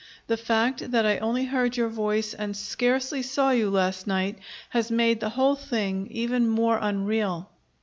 The fact that I only heard your voice and scarcely saw you last night has made the whole thing even more unreal.